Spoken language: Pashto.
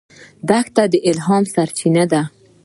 دښته د الهام سرچینه ده.